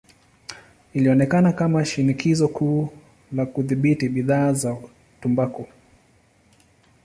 Ilionekana kama shinikizo kuu la kudhibiti bidhaa za tumbaku.